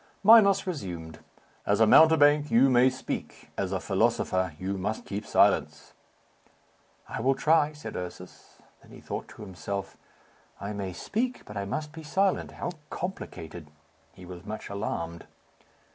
Minos resumed, "As a mountebank, you may speak; as a philosopher, you must keep silence." "I will try," said Ursus. Then he thought to himself. "I may speak, but I must be silent. How complicated." He was much alarmed.